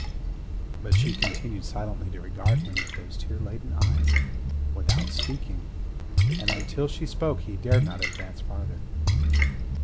But she continued silently to regard him with those tear laden eyes, without speaking, and until she spoke he dared not advance farther.